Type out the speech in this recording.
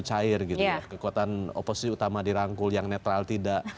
cair gitu ya kekuatan oposisi utama dirangkul yang netral tidak